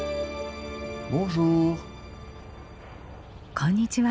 こんにちは。